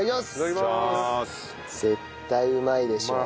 絶対うまいでしょ。